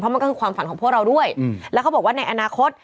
มันก็คือความฝันของพวกเราด้วยแล้วเขาบอกว่าในอนาคต